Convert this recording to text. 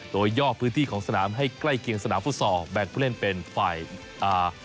โดยยอดพื้นที่ของสนามให้ใกล้เคียงสนามฟุตซอลแบ่งผู้เล่นเป็นฝ่ายอ่า